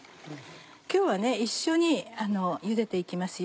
今日は一緒にゆでて行きますよ。